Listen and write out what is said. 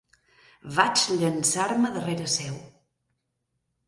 Vaig llançar-me darrere seu